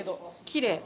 きれい。